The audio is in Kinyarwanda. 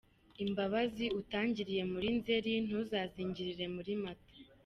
Imbabazi utangiriye muri Nzeri ntuzazingirire muri Mata.